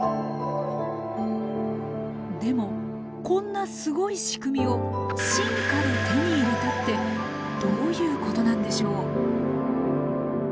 でもこんなすごいしくみを進化で手に入れたってどういうことなんでしょう？